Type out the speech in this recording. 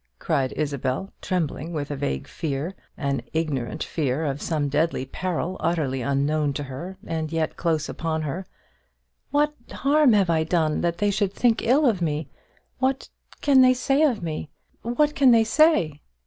cried Isabel, trembling with a vague fear an ignorant fear of some deadly peril utterly unknown to her, and yet close upon her; "what harm have I done, that they should think ill of me? what can they say of me? what can they say?"